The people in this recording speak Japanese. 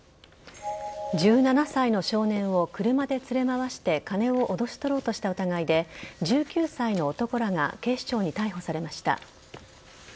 １７歳の少年を車で連れ回して金を脅し取ろうとした疑いで１９歳の男らが警視庁に逮捕されました。